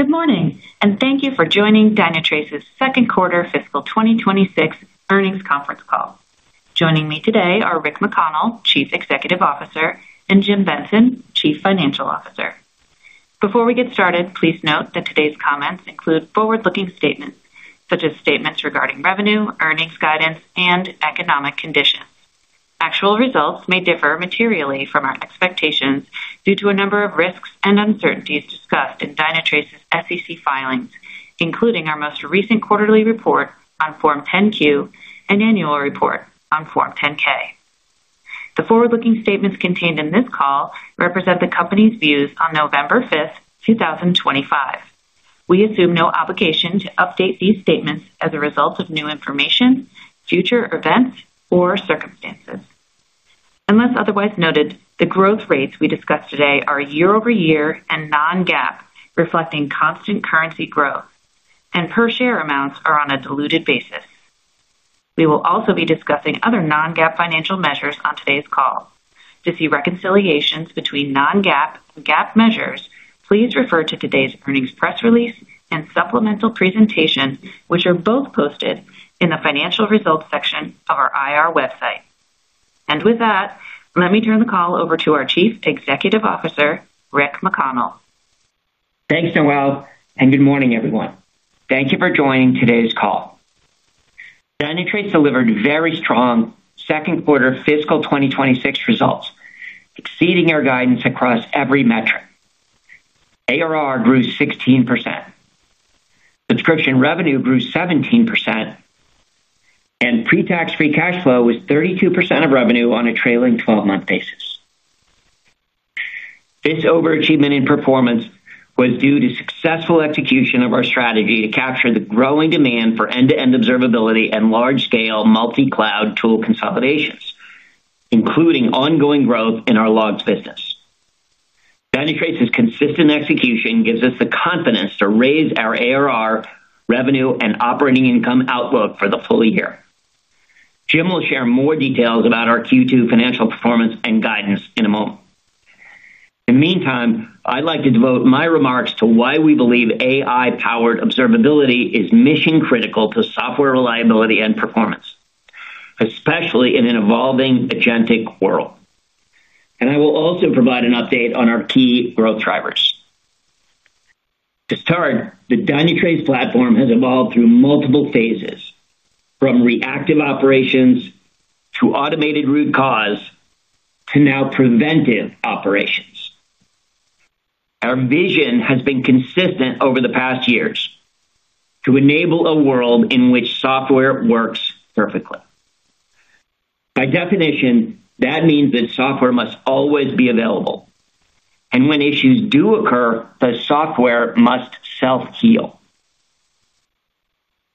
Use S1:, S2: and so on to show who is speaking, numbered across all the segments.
S1: Good morning, and thank you for joining Dynatrace's second quarter fiscal 2026 earnings conference call. Joining me today are Rick McConnell, Chief Executive Officer, and Jim Benson, Chief Financial Officer. Before we get started, please note that today's comments include forward-looking statements such as statements regarding revenue, earnings guidance, and economic conditions. Actual results may differ materially from our expectations due to a number of risks and uncertainties discussed in Dynatrace's SEC filings, including our most recent quarterly report on Form 10Q and annual report on Form 10K. The forward-looking statements contained in this call represent the company's views on November 5th, 2025. We assume no obligation to update these statements as a result of new information, future events, or circumstances. Unless otherwise noted, the growth rates we discuss today are year-over-year and non-GAAP, reflecting constant currency growth, and per-share amounts are on a diluted basis. We will also be discussing other non-GAAP financial measures on today's call. To see reconciliations between non-GAAP and GAAP measures, please refer to today's earnings press release and supplemental presentation, which are both posted in the financial results section of our IR website. With that, let me turn the call over to our Chief Executive Officer, Rick McConnell.
S2: Thanks, Noelle, and good morning, everyone. Thank you for joining today's call. Dynatrace delivered very strong second quarter fiscal 2026 results, exceeding our guidance across every metric. ARR grew 16%. Subscription revenue grew 17%. And pre-tax free cash flow was 32% of revenue on a trailing 12-month basis. This overachievement in performance was due to successful execution of our strategy to capture the growing demand for end-to-end observability and large-scale multi-cloud tool consolidations, including ongoing growth in our logs business. Dynatrace's consistent execution gives us the confidence to raise our ARR, revenue, and operating income outlook for the full year. Jim will share more details about our Q2 financial performance and guidance in a moment. In the meantime, I'd like to devote my remarks to why we believe AI-powered observability is mission-critical to software reliability and performance, especially in an evolving agentic world. I will also provide an update on our key growth drivers. To start, the Dynatrace platform has evolved through multiple phases, from reactive operations to automated root cause to now preventive operations. Our vision has been consistent over the past years. To enable a world in which software works perfectly. By definition, that means that software must always be available. When issues do occur, the software must self-heal.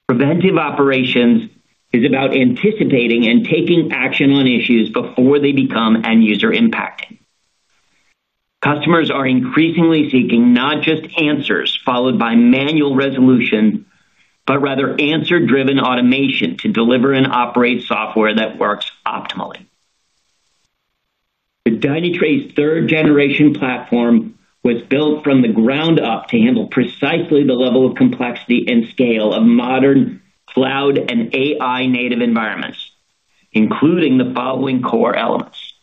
S2: Preventive operations is about anticipating and taking action on issues before they become end-user impacting. Customers are increasingly seeking not just answers followed by manual resolution, but rather answer-driven automation to deliver and operate software that works optimally. The Dynatrace third-generation platform was built from the ground up to handle precisely the level of complexity and scale of modern cloud and AI-native environments, including the following core elements.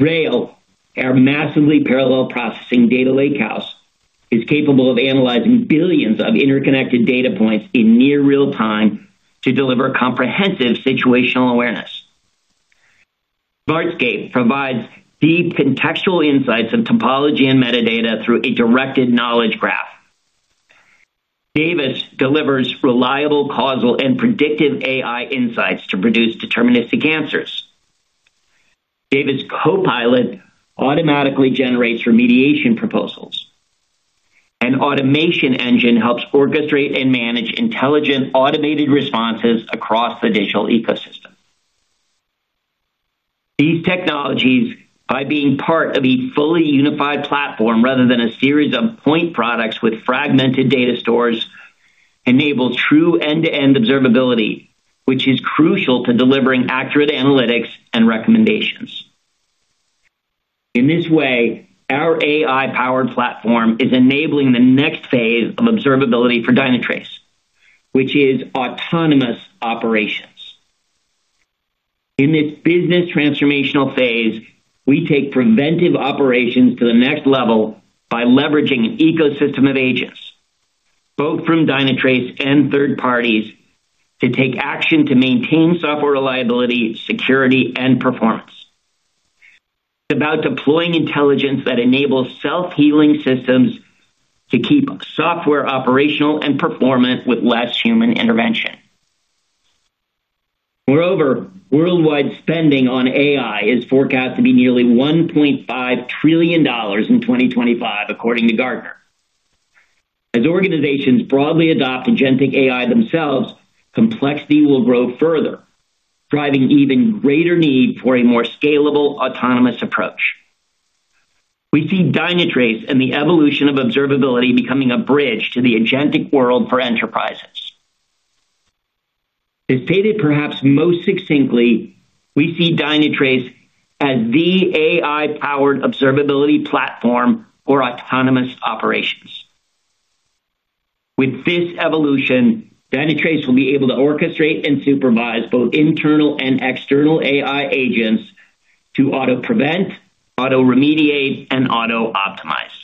S2: Grail, our massively parallel processing data lakehouse, is capable of analyzing billions of interconnected data points in near real time to deliver comprehensive situational awareness. Smartscape provides deep contextual insights of topology and metadata through a directed knowledge graph. Davis delivers reliable causal and predictive AI insights to produce deterministic answers. Davis Copilot automatically generates remediation proposals. An automation engine helps orchestrate and manage intelligent automated responses across the digital ecosystem. These technologies, by being part of a fully unified platform rather than a series of point products with fragmented data stores, enable true end-to-end observability, which is crucial to delivering accurate analytics and recommendations. In this way, our AI-powered platform is enabling the next phase of observability for Dynatrace, which is autonomous operations. In this business transformational phase, we take preventive operations to the next level by leveraging an ecosystem of agents, both from Dynatrace and third parties, to take action to maintain software reliability, security, and performance. It's about deploying intelligence that enables self-healing systems to keep software operational and performant with less human intervention. Moreover, worldwide spending on AI is forecast to be nearly $1.5 trillion in 2025, according to Gartner. As organizations broadly adopt agentic AI themselves, complexity will grow further, driving even greater need for a more scalable, autonomous approach. We see Dynatrace and the evolution of observability becoming a bridge to the agentic world for enterprises. As stated perhaps most succinctly, we see Dynatrace as the AI-powered observability platform for autonomous operations. With this evolution, Dynatrace will be able to orchestrate and supervise both internal and external AI agents to auto-prevent, auto-remediate, and auto-optimize. We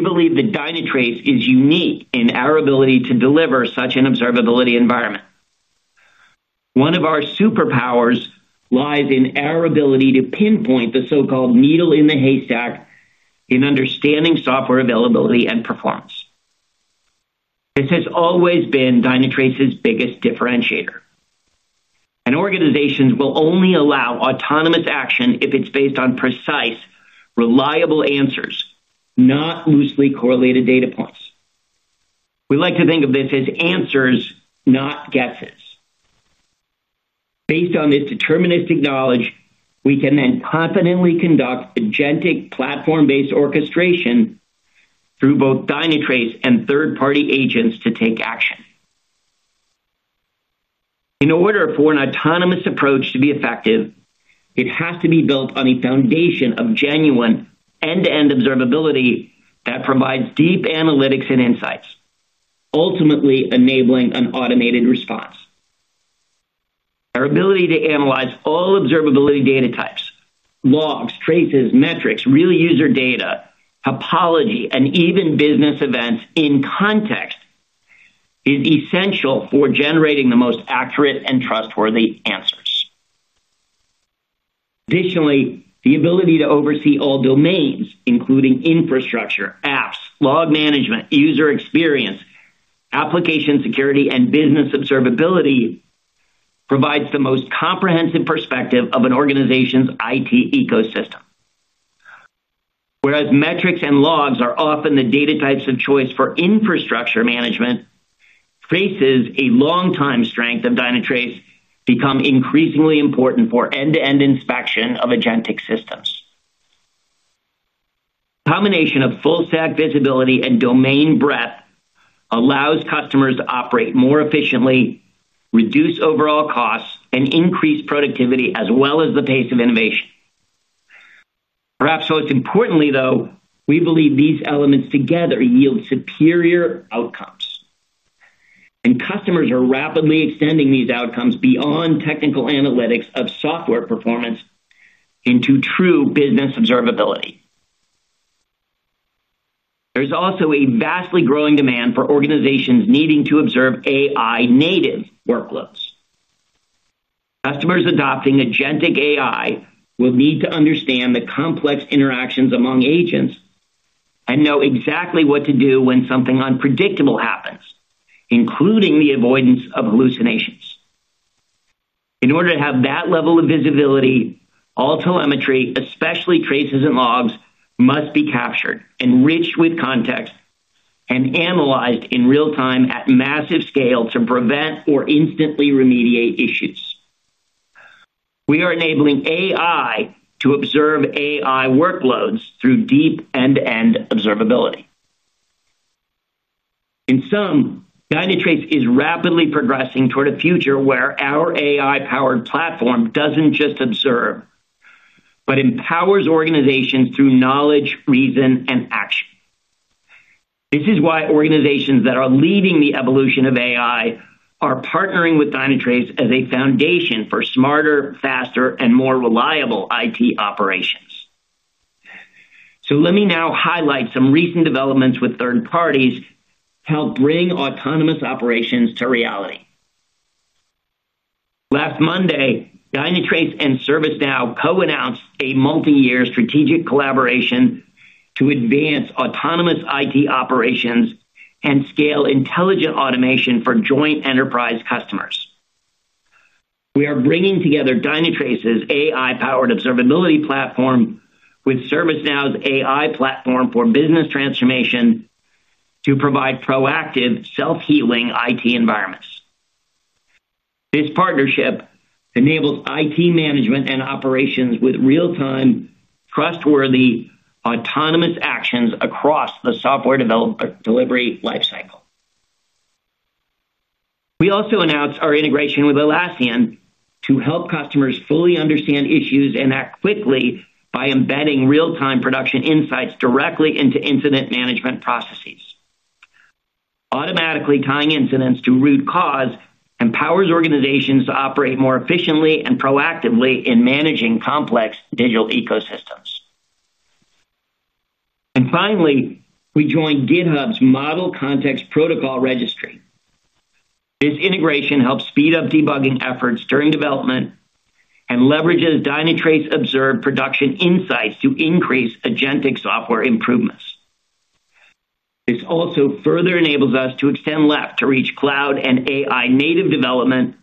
S2: believe that Dynatrace is unique in our ability to deliver such an observability environment. One of our superpowers lies in our ability to pinpoint the so-called needle in the haystack in understanding software availability and performance. This has always been Dynatrace's biggest differentiator. Organizations will only allow autonomous action if it's based on precise, reliable answers, not loosely correlated data points. We like to think of this as answers, not guesses. Based on this deterministic knowledge, we can then confidently conduct agentic platform-based orchestration through both Dynatrace and third-party agents to take action. In order for an autonomous approach to be effective, it has to be built on a foundation of genuine end-to-end observability that provides deep analytics and insights, ultimately enabling an automated response. Our ability to analyze all observability data types, logs, traces, metrics, real user data, topology, and even business events in context. Is essential for generating the most accurate and trustworthy answers. Additionally, the ability to oversee all domains, including infrastructure, apps, log management, user experience, application security, and business observability provides the most comprehensive perspective of an organization's IT ecosystem. Whereas metrics and logs are often the data types of choice for infrastructure management, traces, a long-time strength of Dynatrace, become increasingly important for end-to-end inspection of agentic systems. The combination of full-stack visibility and domain breadth allows customers to operate more efficiently, reduce overall costs, and increase productivity as well as the pace of innovation. Perhaps most importantly, though, we believe these elements together yield superior outcomes. Customers are rapidly extending these outcomes beyond technical analytics of software performance into true business observability. There is also a vastly growing demand for organizations needing to observe AI-native workloads. Customers adopting agentic AI will need to understand the complex interactions among agents and know exactly what to do when something unpredictable happens, including the avoidance of hallucinations. In order to have that level of visibility, all telemetry, especially traces and logs, must be captured, enriched with context, and analyzed in real time at massive scale to prevent or instantly remediate issues. We are enabling AI to observe AI workloads through deep end-to-end observability. In sum, Dynatrace is rapidly progressing toward a future where our AI-powered platform does not just observe, but empowers organizations through knowledge, reason, and action. This is why organizations that are leading the evolution of AI are partnering with Dynatrace as a foundation for smarter, faster, and more reliable IT operations. Let me now highlight some recent developments with third parties to help bring autonomous operations to reality. Last Monday, Dynatrace and ServiceNow co-announced a multi-year strategic collaboration to advance autonomous IT operations and scale intelligent automation for joint enterprise customers. We are bringing together Dynatrace's AI-powered observability platform with ServiceNow's AI platform for business transformation to provide proactive, self-healing IT environments. This partnership enables IT management and operations with real-time, trustworthy, autonomous actions across the software delivery lifecycle. We also announced our integration with Atlassian to help customers fully understand issues and act quickly by embedding real-time production insights directly into incident management processes. Automatically tying incidents to root cause empowers organizations to operate more efficiently and proactively in managing complex digital ecosystems. Finally, we joined GitHub's Model Context Protocol Registry. This integration helps speed up debugging efforts during development and leverages Dynatrace-observed production insights to increase agentic software improvements. This also further enables us to extend left to reach cloud and AI-native development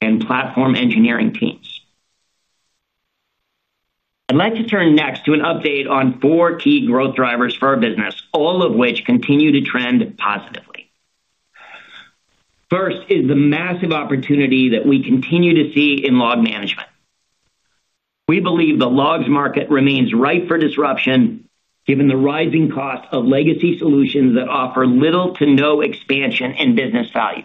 S2: and platform engineering teams. I'd like to turn next to an update on four key growth drivers for our business, all of which continue to trend positively. First is the massive opportunity that we continue to see in log management. We believe the logs market remains ripe for disruption given the rising cost of legacy solutions that offer little to no expansion in business value.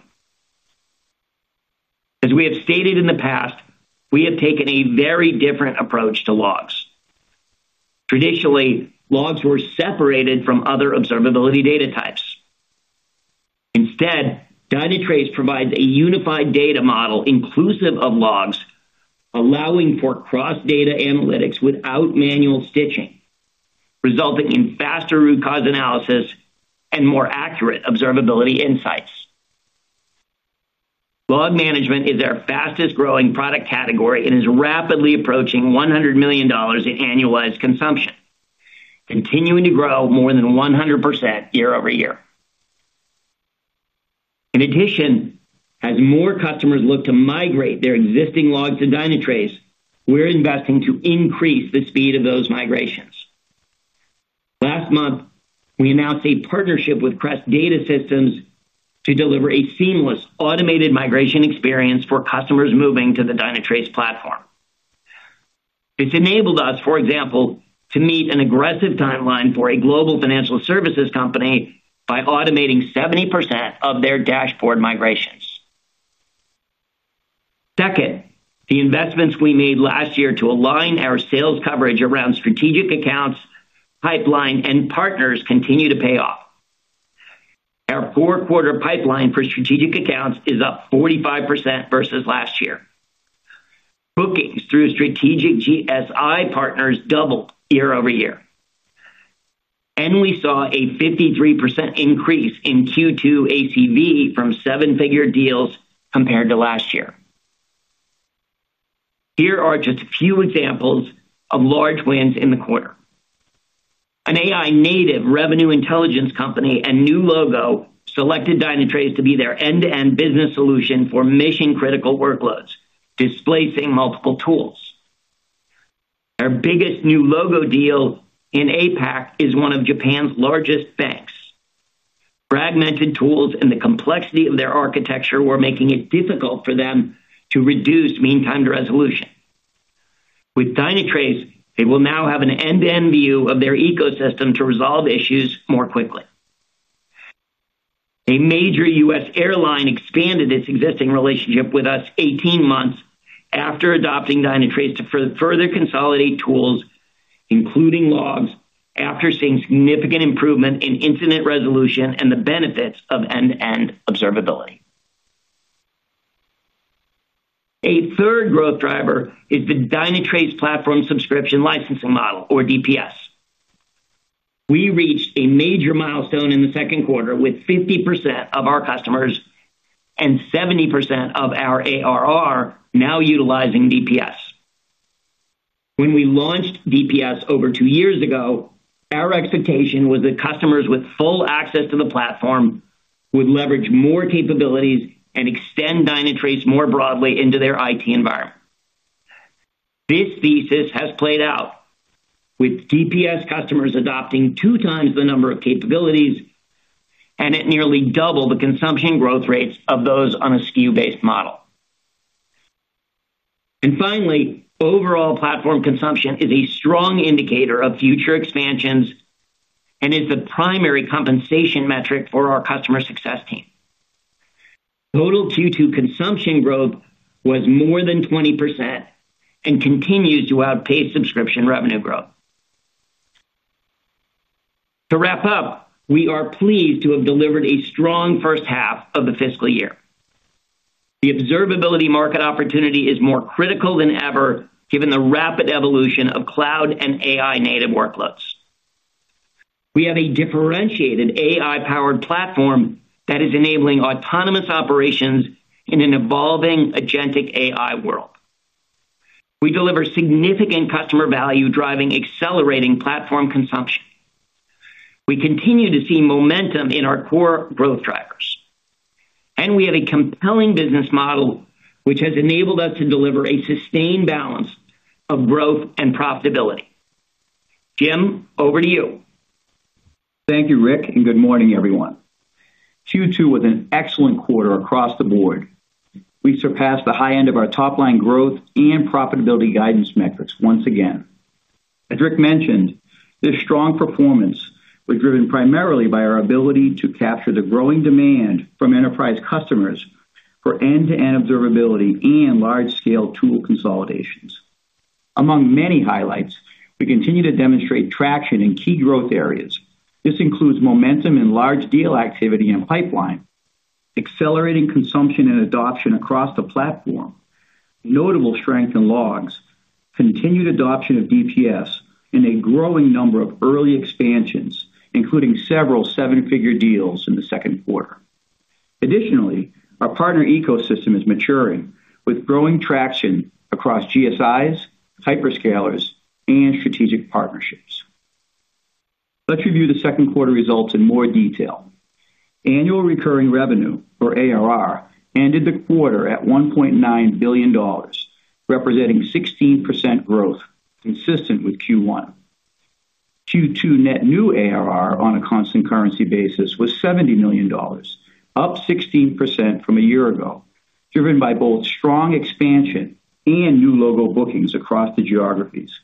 S2: As we have stated in the past, we have taken a very different approach to logs. Traditionally, logs were separated from other observability data types. Instead, Dynatrace provides a unified data model inclusive of logs, allowing for cross-data analytics without manual stitching, resulting in faster root cause analysis and more accurate observability insights. Log management is our fastest-growing product category and is rapidly approaching $100 million in annualized consumption. Continuing to grow more than 100% year-over-year. In addition, as more customers look to migrate their existing logs to Dynatrace, we're investing to increase the speed of those migrations. Last month, we announced a partnership with Crest Data Systems to deliver a seamless, automated migration experience for customers moving to the Dynatrace platform. This enabled us, for example, to meet an aggressive timeline for a global financial services company by automating 70% of their dashboard migrations. Second, the investments we made last year to align our sales coverage around strategic accounts, pipeline, and partners continue to pay off. Our four-quarter pipeline for strategic accounts is up 45% versus last year. Bookings through strategic GSI partners doubled year-over-year. We saw a 53% increase in Q2 ACV from seven-figure deals compared to last year. Here are just a few examples of large wins in the quarter. An AI-native revenue intelligence company and new logo selected Dynatrace to be their end-to-end business solution for mission-critical workloads, displacing multiple tools. Our biggest new logo deal in APAC is one of Japan's largest banks. Fragmented tools and the complexity of their architecture were making it difficult for them to reduce mean time to resolution. With Dynatrace, they will now have an end-to-end view of their ecosystem to resolve issues more quickly. A major U.S. airline expanded its existing relationship with us 18 months after adopting Dynatrace to further consolidate tools, including logs, after seeing significant improvement in incident resolution and the benefits of end-to-end observability. A third growth driver is the Dynatrace platform subscription licensing model, or DPS. We reached a major milestone in the second quarter with 50% of our customers and 70% of our ARR now utilizing DPS. When we launched DPS over two years ago, our expectation was that customers with full access to the platform would leverage more capabilities and extend Dynatrace more broadly into their IT environment. This thesis has played out. With DPS customers adopting two times the number of capabilities, and at nearly double the consumption growth rates of those on a SKU-based model. Finally, overall platform consumption is a strong indicator of future expansions and is the primary compensation metric for our customer success team. Total Q2 consumption growth was more than 20% and continues to outpace subscription revenue growth. To wrap up, we are pleased to have delivered a strong first half of the fiscal year. The observability market opportunity is more critical than ever given the rapid evolution of cloud and AI-native workloads. We have a differentiated AI-powered platform that is enabling autonomous operations in an evolving agentic AI world. We deliver significant customer value, driving accelerating platform consumption. We continue to see momentum in our core growth drivers. We have a compelling business model which has enabled us to deliver a sustained balance of growth and profitability. Jim, over to you.
S3: Thank you, Rick, and good morning, everyone. Q2 was an excellent quarter across the board. We surpassed the high end of our top-line growth and profitability guidance metrics once again. As Rick mentioned, this strong performance was driven primarily by our ability to capture the growing demand from enterprise customers for end-to-end observability and large-scale tool consolidations. Among many highlights, we continue to demonstrate traction in key growth areas. This includes momentum in large deal activity and pipeline, accelerating consumption and adoption across the platform. Notable strength in logs, continued adoption of DPS, and a growing number of early expansions, including several seven-figure deals in the second quarter. Additionally, our partner ecosystem is maturing with growing traction across GSIs, hyperscalers, and strategic partnerships. Let's review the second quarter results in more detail. Annual recurring revenue, or ARR, ended the quarter at $1.9 billion, representing 16% growth consistent with Q1. Q2 net new ARR on a constant currency basis was $70 million, up 16% from a year ago, driven by both strong expansion and new logo bookings across the geographies.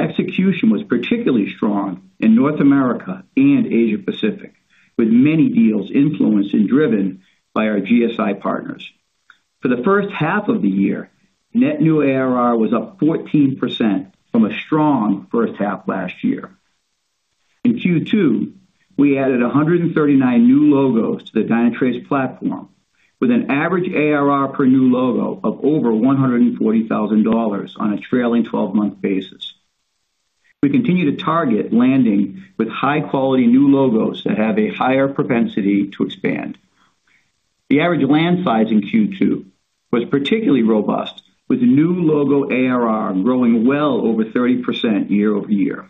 S3: Execution was particularly strong in North America and Asia-Pacific, with many deals influenced and driven by our GSI partners. For the first half of the year, net new ARR was up 14% from a strong first half last year. In Q2, we added 139 new logos to the Dynatrace platform, with an average ARR per new logo of over $140,000 on a trailing 12-month basis. We continue to target landing with high-quality new logos that have a higher propensity to expand. The average land size in Q2 was particularly robust, with new logo ARR growing well over 30% year-over-year.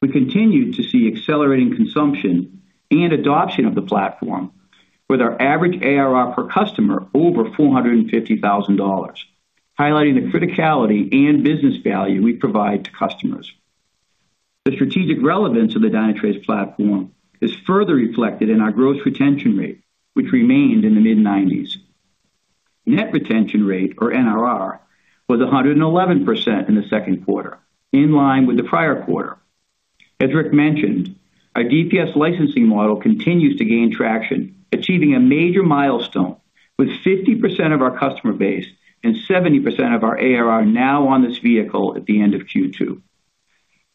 S3: We continue to see accelerating consumption and adoption of the platform, with our average ARR per customer over $450,000, highlighting the criticality and business value we provide to customers. The strategic relevance of the Dynatrace platform is further reflected in our gross retention rate, which remained in the mid-90%. Net retention rate, or NRR, was 111% in the second quarter, in line with the prior quarter. As Rick mentioned, our DPS licensing model continues to gain traction, achieving a major milestone with 50% of our customer base and 70% of our ARR now on this vehicle at the end of Q2.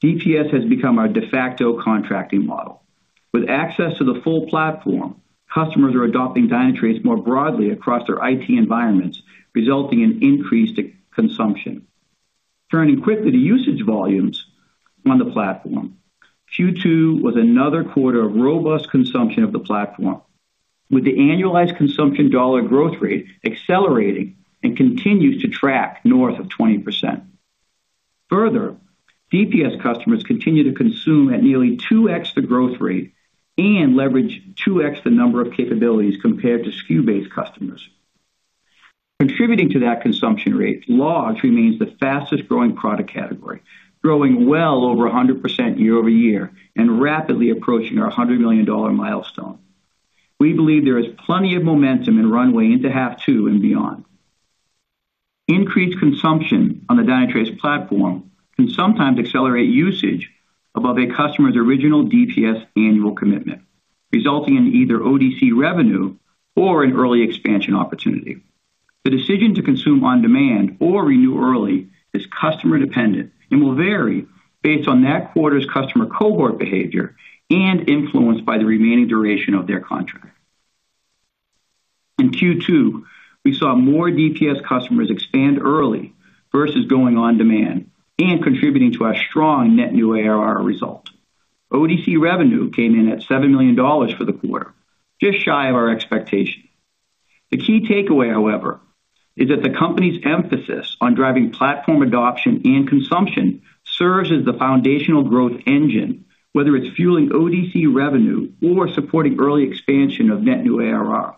S3: DPS has become our de facto contracting model. With access to the full platform, customers are adopting Dynatrace more broadly across their IT environments, resulting in increased consumption. Turning quickly to usage volumes on the platform, Q2 was another quarter of robust consumption of the platform, with the annualized consumption dollar growth rate accelerating and continues to track north of 20%. Further, DPS customers continue to consume at nearly 2X the growth rate and leverage 2x the number of capabilities compared to SKU-based customers. Contributing to that consumption rate, logs remains the fastest-growing product category, growing well over 100% year-over-year and rapidly approaching our $100 million milestone. We believe there is plenty of momentum and runway into half two and beyond. Increased consumption on the Dynatrace platform can sometimes accelerate usage above a customer's original DPS annual commitment, resulting in either ODC revenue or an early expansion opportunity. The decision to consume on demand or renew early is customer-dependent and will vary based on that quarter's customer cohort behavior and influenced by the remaining duration of their contract. In Q2, we saw more DPS customers expand early versus going on demand and contributing to our strong net new ARR result. ODC revenue came in at $7 million for the quarter, just shy of our expectation. The key takeaway, however, is that the company's emphasis on driving platform adoption and consumption serves as the foundational growth engine, whether it's fueling ODC revenue or supporting early expansion of net new ARR.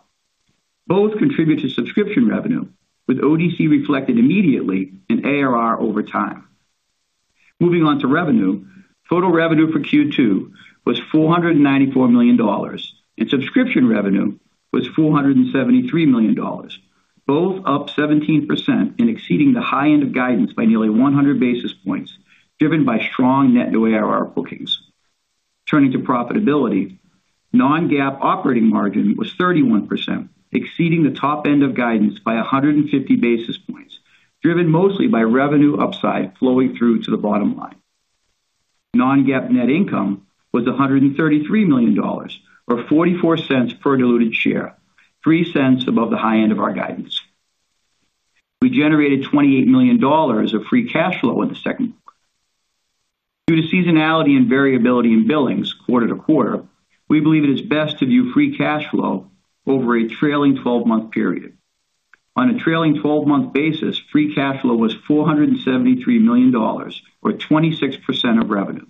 S3: Both contribute to subscription revenue, with ODC reflected immediately in ARR over time. Moving on to revenue, total revenue for Q2 was $494 million, and subscription revenue was $473 million, both up 17% and exceeding the high end of guidance by nearly 100 basis points, driven by strong net new ARR bookings. Turning to profitability, non-GAAP operating margin was 31%, exceeding the top end of guidance by 150 basis points, driven mostly by revenue upside flowing through to the bottom line. Non-GAAP net income was $133 million, or $0.44 per diluted share, $0.03 above the high end of our guidance. We generated $28 million of free cash flow in the second quarter. Due to seasonality and variability in billings quarter to quarter, we believe it is best to view free cash flow over a trailing 12-month period. On a trailing 12-month basis, free cash flow was $473 million, or 26% of revenue.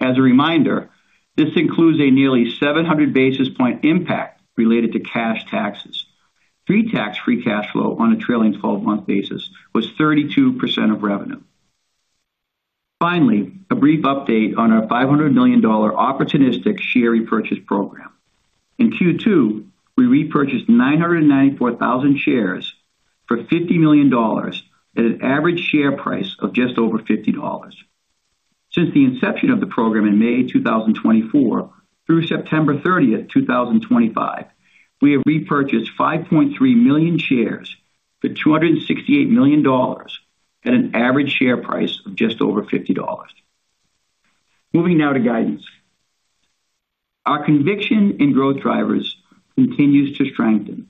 S3: As a reminder, this includes a nearly 700 basis point impact related to cash taxes. Pre-tax free cash flow on a trailing 12-month basis was 32% of revenue. Finally, a brief update on our $500 million opportunistic share repurchase program. In Q2, we repurchased 994,000 shares for $50 million at an average share price of just over $50. Since the inception of the program in May 2024 through September 30, 2025, we have repurchased 5.3 million shares for $268 million at an average share price of just over $50. Moving now to guidance. Our conviction in growth drivers continues to strengthen,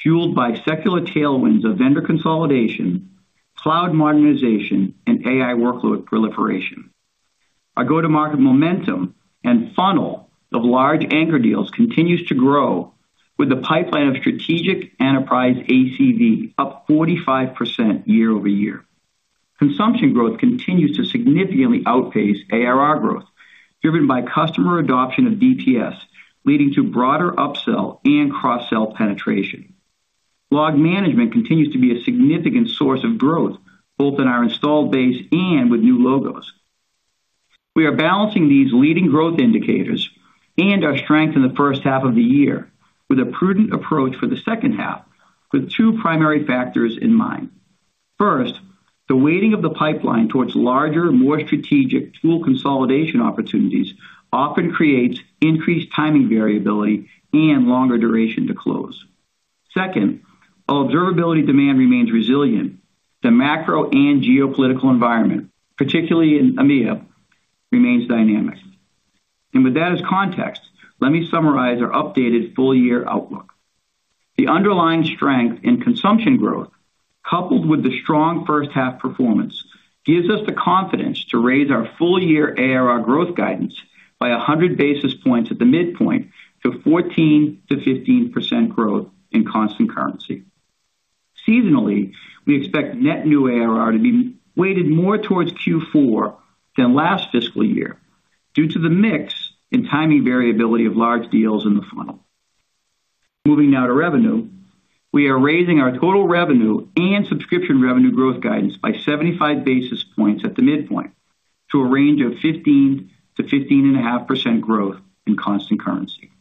S3: fueled by secular tailwinds of vendor consolidation, cloud modernization, and AI workload proliferation. Our go-to-market momentum and funnel of large anchor deals continues to grow, with the pipeline of strategic enterprise ACV up 45% year-over-year. Consumption growth continues to significantly outpace ARR growth, driven by customer adoption of DPS, leading to broader upsell and cross-sell penetration. Log management continues to be a significant source of growth, both in our installed base and with new logos. We are balancing these leading growth indicators and our strength in the first half of the year with a prudent approach for the second half, with two primary factors in mind. First, the weighting of the pipeline towards larger, more strategic tool consolidation opportunities often creates increased timing variability and longer duration to close. Second, while observability demand remains resilient, the macro and geopolitical environment, particularly in AMEA, remains dynamic. With that as context, let me summarize our updated full-year outlook. The underlying strength in consumption growth, coupled with the strong first-half performance, gives us the confidence to raise our full-year ARR growth guidance by 100 basis points at the midpoint to 14%-15% growth in constant currency. Seasonally, we expect net new ARR to be weighted more towards Q4 than last fiscal year due to the mix in timing variability of large deals in the funnel. Moving now to revenue, we are raising our total revenue and subscription revenue growth guidance by 75 basis points at the midpoint to a range of 15%-15.5% growth in constant currency.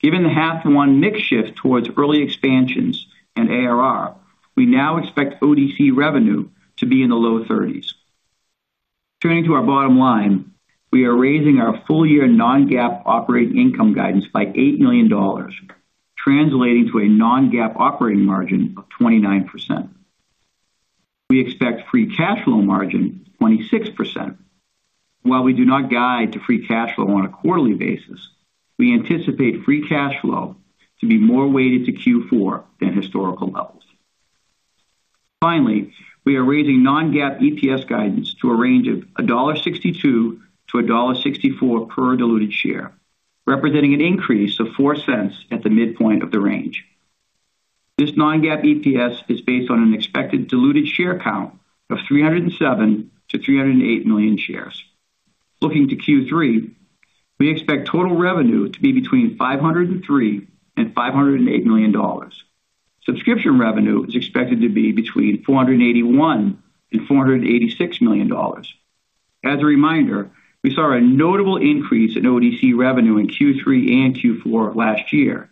S3: Given the half-to-one mix shift towards early expansions and ARR, we now expect ODC revenue to be in the low 30s. Turning to our bottom line, we are raising our full-year non-GAAP operating income guidance by $8 million. Translating to a non-GAAP operating margin of 29%. We expect free cash flow margin of 26%. While we do not guide to free cash flow on a quarterly basis, we anticipate free cash flow to be more weighted to Q4 than historical levels. Finally, we are raising non-GAAP EPS guidance to a range of $1.62-$1.64 per diluted share, representing an increase of $0.04 at the midpoint of the range. This non-GAAP EPS is based on an expected diluted share count of 307 million-308 million shares. Looking to Q3, we expect total revenue to be between $503 million-$508 million. Subscription revenue is expected to be between $481 million-$486 million. As a reminder, we saw a notable increase in ODC revenue in Q3 and Q4 last year.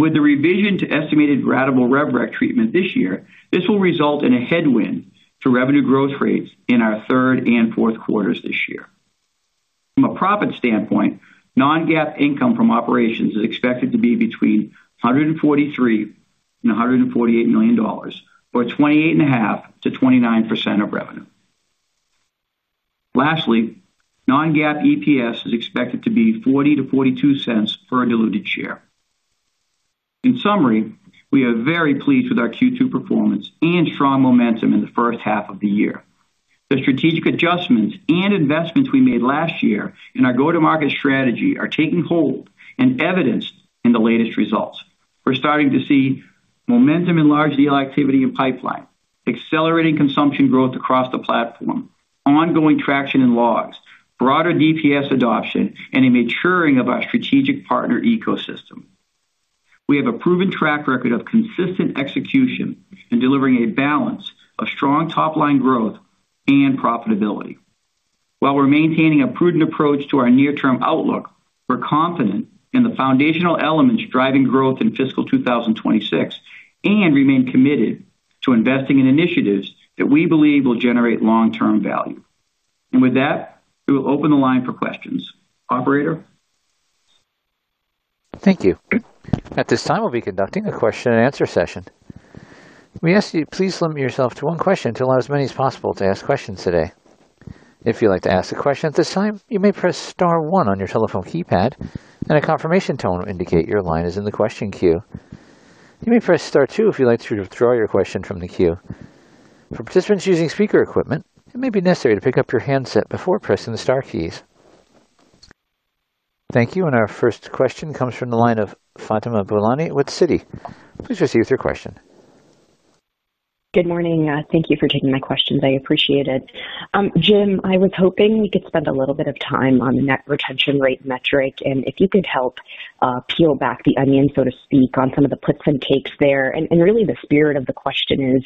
S3: With the revision to estimated ratable redirect treatment this year, this will result in a headwind to revenue growth rates in our third and fourth quarters this year. From a profit standpoint, non-GAAP income from operations is expected to be between $143 million-$148 million, or 28.5%-29% of revenue. Lastly, non-GAAP EPS is expected to be $0.40-$0.42 per diluted share. In summary, we are very pleased with our Q2 performance and strong momentum in the first half of the year. The strategic adjustments and investments we made last year in our go-to-market strategy are taking hold and evidenced in the latest results. We are starting to see momentum in large deal activity and pipeline, accelerating consumption growth across the platform, ongoing traction in logs, broader DPS adoption, and a maturing of our strategic partner ecosystem. We have a proven track record of consistent execution and delivering a balance of strong top-line growth and profitability. While we're maintaining a prudent approach to our near-term outlook, we're confident in the foundational elements driving growth in fiscal 2026 and remain committed to investing in initiatives that we believe will generate long-term value. With that, we will open the line for questions. Operator.
S4: Thank you. At this time, we'll be conducting a question-and-answer session. We ask that you please limit yourself to one question to allow as many as possible to ask questions today. If you'd like to ask a question at this time, you may press Star one on your telephone keypad, and a confirmation tone will indicate your line is in the question queue. You may press Star two if you'd like to withdraw your question from the queue. For participants using speaker equipment, it may be necessary to pick up your handset before pressing the Star keys. Thank you. Our first question comes from the line of Fatima Boolani with Citi Please proceed with your question.
S5: Good morning. Thank you for taking my questions. I appreciate it. Jim, I was hoping we could spend a little bit of time on the net retention rate metric, and if you could help peel back the onion, so to speak, on some of the puts and takes there. Really, the spirit of the question is,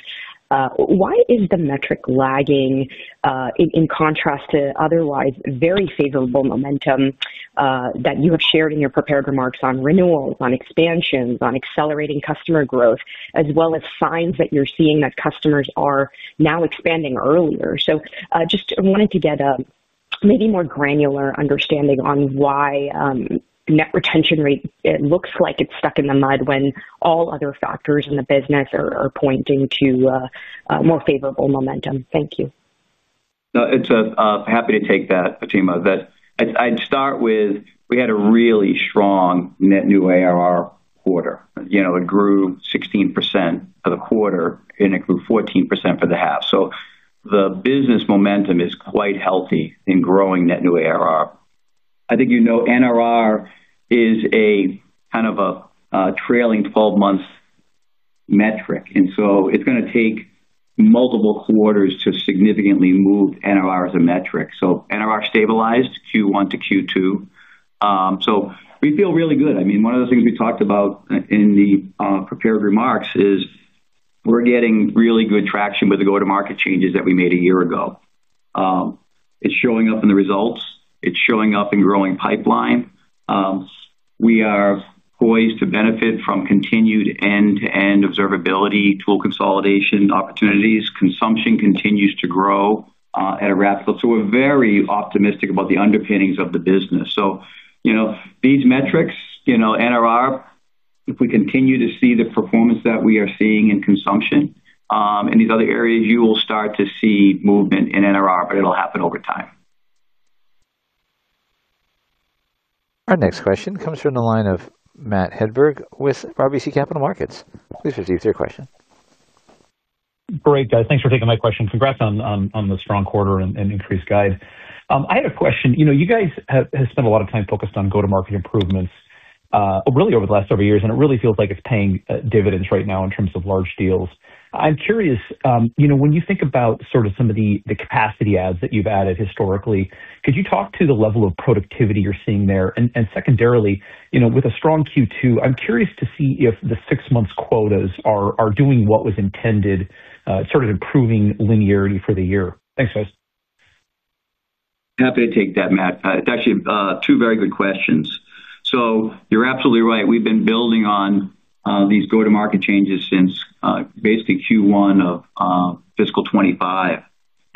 S5: why is the metric lagging, in contrast to otherwise very favorable momentum that you have shared in your prepared remarks on renewals, on expansions, on accelerating customer growth, as well as signs that you're seeing that customers are now expanding earlier? Just wanted to get a maybe more granular understanding on why. Net retention rate looks like it's stuck in the mud when all other factors in the business are pointing to more favorable momentum. Thank you.
S3: No, I'm happy to take that, Fatima. I'd start with we had a really strong net new ARR quarter. It grew 16% for the quarter, and it grew 14% for the half. So the business momentum is quite healthy in growing net new ARR. I think you know NRR is a kind of a trailing 12-month metric, and so it's going to take multiple quarters to significantly move NRR as a metric. NRR stabilized Q1 to Q2. We feel really good. I mean, one of the things we talked about in the prepared remarks is we're getting really good traction with the go-to-market changes that we made a year ago. It's showing up in the results. It's showing up in growing pipeline. We are poised to benefit from continued end-to-end observability, tool consolidation opportunities. Consumption continues to grow at a rapid pace. We are very optimistic about the underpinnings of the business. These metrics, NRR, if we continue to see the performance that we are seeing in consumption and these other areas, you will start to see movement in NRR, but it will happen over time.
S4: Our next question comes from the line of Matt Hedberg with RBC Capital Markets. Please proceed with your question.
S6: Great, guys. Thanks for taking my question. Congrats on the strong quarter and increased guide. I had a question. You guys have spent a lot of time focused on go-to-market improvements. Really over the last several years, and it really feels like it is paying dividends right now in terms of large deals. I'm curious, when you think about sort of some of the capacity ads that you've added historically, could you talk to the level of productivity you're seeing there? And secondarily, with a strong Q2, I'm curious to see if the six-month quotas are doing what was intended, sort of improving linearity for the year. Thanks, guys.
S3: Happy to take that, Matt. It's actually two very good questions. You're absolutely right. We've been building on these go-to-market changes since basically Q1 of fiscal 2025.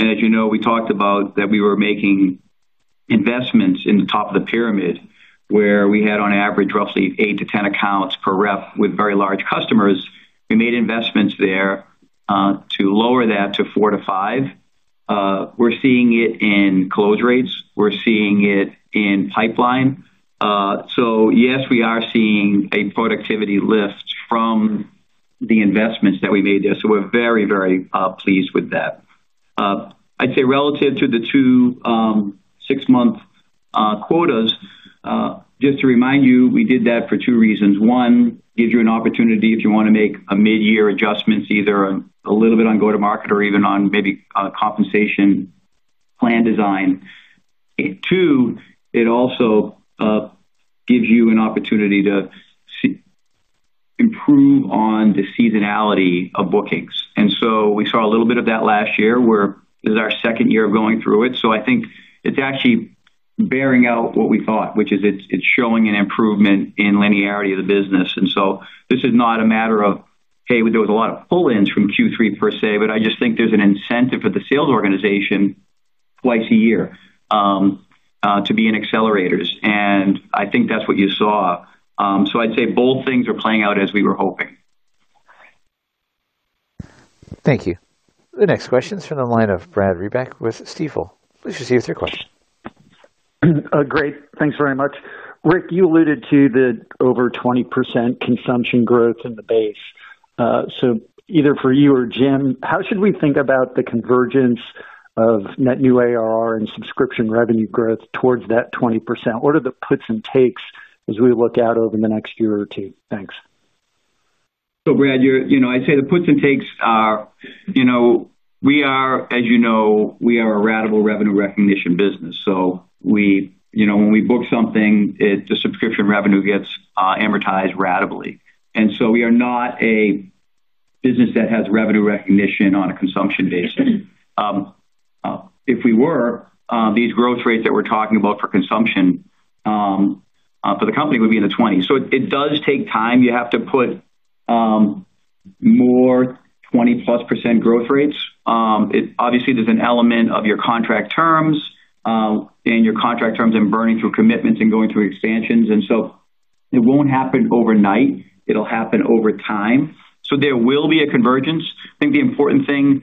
S3: As you know, we talked about that we were making investments in the top of the pyramid where we had, on average, roughly 8-10 accounts per rep with very large customers. We made investments there to lower that to 4-5. We're seeing it in close rates. We're seeing it in pipeline. Yes, we are seeing a productivity lift from. The investments that we made there. We are very, very pleased with that. I'd say relative to the two six-month quotas. Just to remind you, we did that for two reasons. One, gives you an opportunity if you want to make a mid-year adjustment, either a little bit on go-to-market or even on maybe compensation plan design. Two, it also gives you an opportunity to improve on the seasonality of bookings. We saw a little bit of that last year. This is our second year of going through it. I think it's actually bearing out what we thought, which is it's showing an improvement in linearity of the business. This is not a matter of, hey, there was a lot of pull-ins from Q3 per se, but I just think there's an incentive for the sales organization twice a year to be in accelerators. I think that's what you saw. I'd say both things are playing out as we were hoping.
S4: Thank you. The next question is from the line of Brad Reback with Stifel. Please proceed with your question.
S7: Great. Thanks very much. Rick, you alluded to the over 20% consumption growth in the base. Either for you or Jim, how should we think about the convergence of net new ARR and subscription revenue growth towards that 20%? What are the puts and takes as we look out over the next year or two? Thanks.
S3: Brad, I'd say the puts and takes are, as you know, we are a ratable revenue recognition business. When we book something, the subscription revenue gets amortized ratably. We are not a business that has revenue recognition on a consumption basis. If we were, these growth rates that we're talking about for consumption for the company would be in the 20s. It does take time. You have to put more 20+ % growth rates. Obviously, there's an element of your contract terms, and your contract terms and burning through commitments and going through expansions. It won't happen overnight. It'll happen over time. There will be a convergence. I think the important thing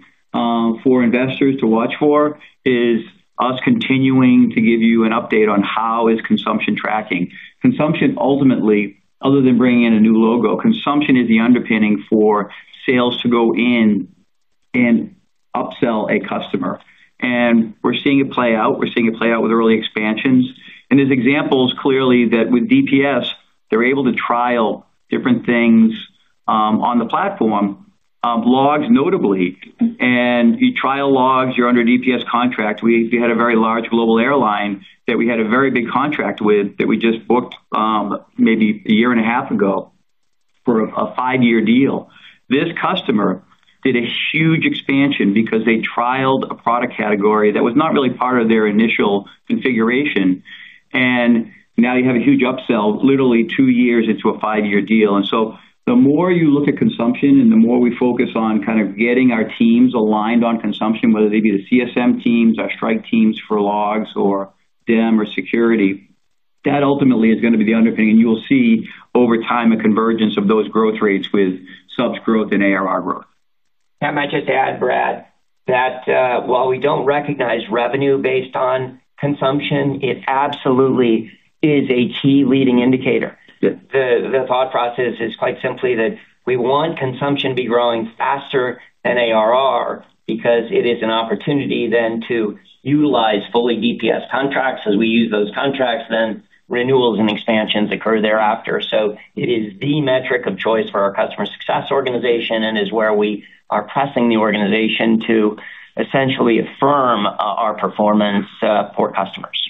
S3: for investors to watch for is us continuing to give you an update on how is consumption tracking. Consumption, ultimately, other than bringing in a new logo, consumption is the underpinning for sales to go in and upsell a customer. We're seeing it play out. We're seeing it play out with early expansions. There's examples clearly that with DPS, they're able to trial different things on the platform. Logs notably. You trial logs, you're under DPS contract. We had a very large global airline that we had a very big contract with that we just booked maybe a year and a half ago for a five-year deal. This customer did a huge expansion because they trialed a product category that was not really part of their initial configuration. You have a huge upsell, literally two years into a five-year deal. The more you look at consumption and the more we focus on kind of getting our teams aligned on consumption, whether they be the CSM teams, our strike teams for logs, or DIM or security, that ultimately is going to be the underpinning. You will see over time a convergence of those growth rates with subs growth and ARR growth.
S2: That might just add, Brad, that while we do not recognize revenue based on consumption, it absolutely is a key leading indicator. The thought process is quite simply that we want consumption to be growing faster than ARR because it is an opportunity then to utilize fully DPS contracts. As we use those contracts, then renewals and expansions occur thereafter. It is the metric of choice for our customer success organization and is where we are pressing the organization to essentially affirm our performance for customers.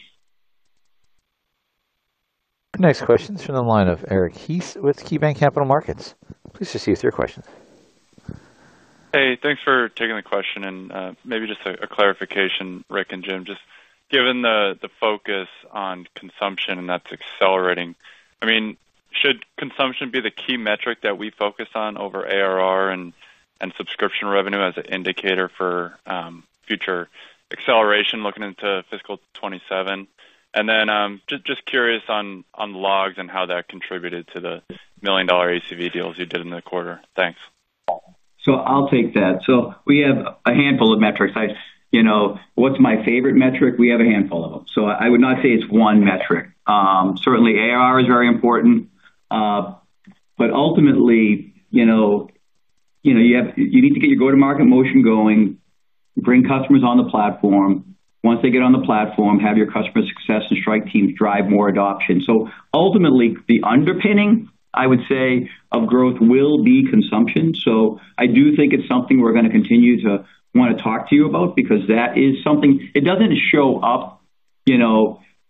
S4: Next question is from the line of Eric Heath with KeyBanc Capital Markets. Please proceed with your question.
S8: Hey, thanks for taking the question. And maybe just a clarification, Rick and Jim, just given the focus on consumption and that is accelerating, I mean, should consumption be the key metric that we focus on over ARR and subscription revenue as an indicator for. Future acceleration looking into fiscal 2027? And then just curious on logs and how that contributed to the million-dollar ACV deals you did in the quarter. Thanks.
S3: I'll take that. We have a handful of metrics. What's my favorite metric? We have a handful of them. I would not say it's one metric. Certainly, ARR is very important. Ultimately, you need to get your go-to-market motion going, bring customers on the platform. Once they get on the platform, have your customer success and strike teams drive more adoption. Ultimately, the underpinning, I would say, of growth will be consumption. I do think it's something we're going to continue to want to talk to you about because that is something it doesn't show up.